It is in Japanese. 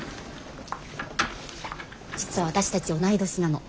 実は私たち同い年なの。